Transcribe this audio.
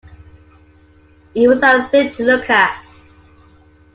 It was a thing to look at.